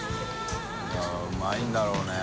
あうまいんだろうね